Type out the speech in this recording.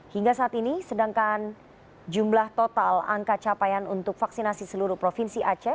hingga saat ini sedangkan jumlah total angka capaian untuk vaksinasi seluruh provinsi aceh